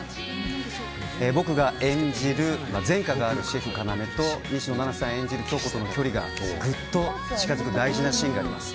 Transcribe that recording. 僕が演じる前科があるシェフ要と西野七瀬さん演じる響子との距離がぐっと近づく大事なシーンがあります。